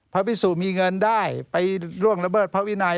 พระพิสุมีเงินได้ไปล่วงระเบิดพระวินัย